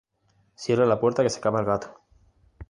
Cierra la puerta que se escapa el gato